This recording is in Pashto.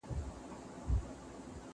سفیران د بشري کرامت ساتلو لپاره څه پلي کوي؟